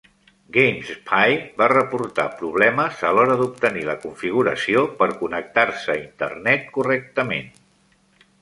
Gamespy va reportar problemes a l'hora d'obtenir la configuració per connectar-se a internet correctament.